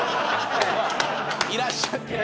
いらっしゃってて。